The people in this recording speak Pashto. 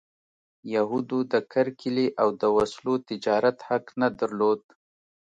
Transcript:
یهودو د کرکیلې او د وسلو تجارت حق نه درلود.